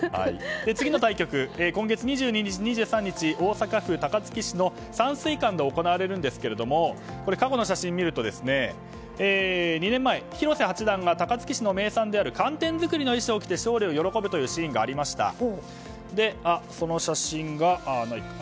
次の対局、２２日、２３日大阪府高槻市の山水館で行われるんですけども過去の写真を見ると２年前広瀬八段が高槻市の名産である寒天づくりの衣装を着て喜ぶシーンがありました。